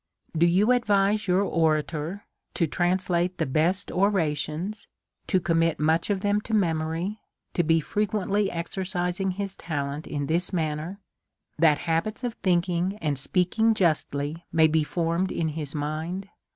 Do you advise your orator to translate the best ora tions, to commit much of them to memory, to be fre quently exercising his talent in this manner, that habits of thinking and speaking justly may be formed in hi* N 4 184 A SERIOUS CALL TO A mind?